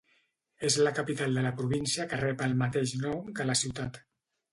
És la capital de la província que rep el mateix nom que la ciutat.